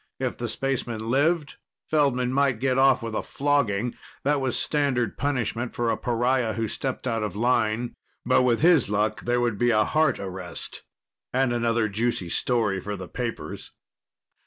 If the spaceman lived, Feldman might get off with a flogging that was standard punishment for a pariah who stepped out of line. But with his luck, there would be a heart arrest and another juicy story for the papers.